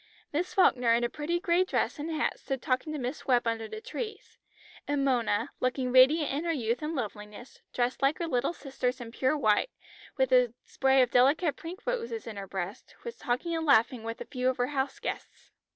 Miss Falkner in a pretty grey dress and hat stood talking to Miss Webb under the trees, and Mona, looking radiant in her youth and loveliness, dressed like her little sisters in pure white, with a spray of delicate pink roses in her breast, was talking and laughing with a few of her house guests.